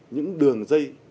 những đường dây